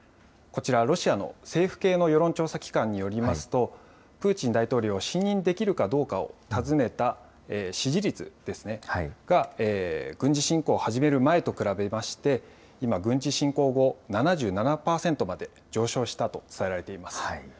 こちらロシアの政府系の世論調査機関によりますと、プーチン大統領を信任できるかどうかを尋ねた支持率が、軍事侵攻を始める前と比べまして、今、軍事侵攻後、７７％まで上昇したと伝えられています。